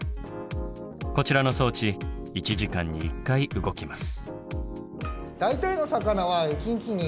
こちらの装置１時間に１回動きます。